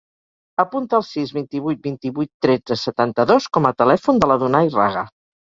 Apunta el sis, vint-i-vuit, vint-i-vuit, tretze, setanta-dos com a telèfon de l'Adonay Raga.